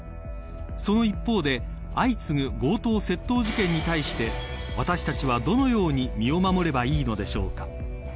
その一方で相次ぐ強盗窃盗事件に対して私たちは、どのように身を守ればいいのでしょうか。